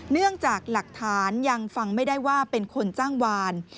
เนื่องจากหลักฐานยังฟังไม่ได้ว่าเป็นคนจ้างวาน